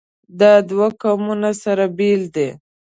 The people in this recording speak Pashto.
دا دوه قومونه سره بېل دي.